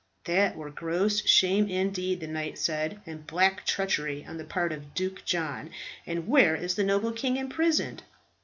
"That were gross shame indeed," the knight said, "and black treachery on the part of Duke John. And where is the noble king imprisoned?"